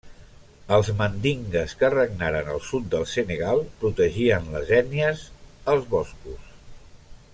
Els mandingues que regnaren al sud del Senegal protegien les ètnies els boscos.